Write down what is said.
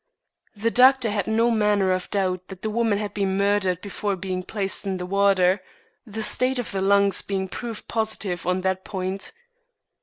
The doctor had no manner of doubt that the woman had been murdered before being placed in the water, the state of the lungs being proof positive on that point.